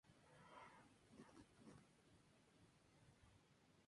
Sin embargo, su puesta en operación se retrasó por dos meses.